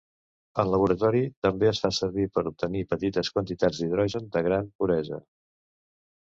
En laboratori també es fa servir per obtenir petites quantitats d'hidrogen de gran puresa.